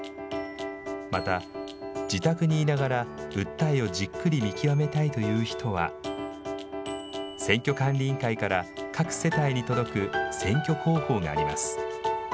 また自宅にいながら訴えをじっくり見極めたいという人は、選挙管理委員会から各世帯に届く選挙公報があります。